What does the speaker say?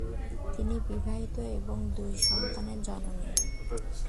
তিনি বিবাহিত এবং দুই সন্তানের জননী।